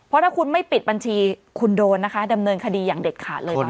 เพราะถ้าคุณไม่ปิดบัญชีคุณโดนนะคะดำเนินคดีอย่างเด็ดขาดเลยตอนนี้